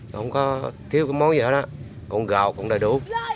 không có thiếu cái món gì hết á còn gạo cũng đầy đủ